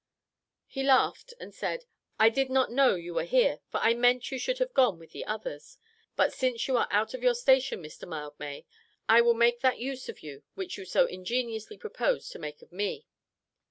He laughed, and said, "I did not know you were here, for I meant you should have gone with the others: but, since you are out of your station, Mr Mildmay, I will make that use of you which you so ingeniously proposed to make of me.